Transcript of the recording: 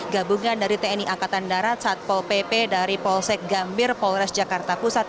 gabungan dari tni angkatan darat satpol pp dari polsek gambir polres jakarta pusat